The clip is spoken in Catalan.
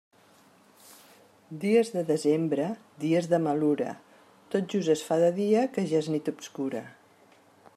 Dies de desembre, dies de malura, tot just es fa de dia que ja és nit obscura.